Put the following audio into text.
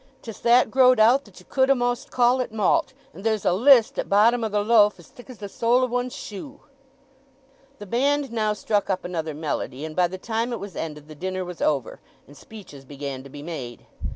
'Tis that growed out that ye could a'most call it malt, and there's a list at bottom o' the loaf as thick as the sole of one's shoe." The band now struck up another melody, and by the time it was ended the dinner was over, and speeches began to be made.